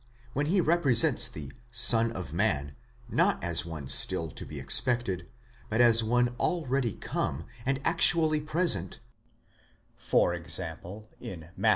When he represents the Son of Man, not as one still to be expected, but as one already come and actually present, for example, in Matt.